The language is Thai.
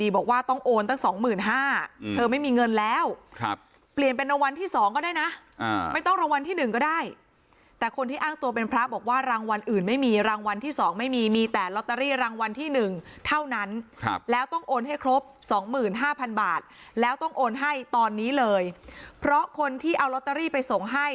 บอกว่าต้องโอนตั้ง๒๕๐๐บาทเธอไม่มีเงินแล้วเปลี่ยนเป็นรางวัลที่๒ก็ได้นะไม่ต้องรางวัลที่๑ก็ได้แต่คนที่อ้างตัวเป็นพระบอกว่ารางวัลอื่นไม่มีรางวัลที่๒ไม่มีมีแต่ลอตเตอรี่รางวัลที่๑เท่านั้นแล้วต้องโอนให้ครบ๒๕๐๐บาทแล้วต้องโอนให้ตอนนี้เลยเพราะคนที่เอาลอตเตอรี่ไปส่งให้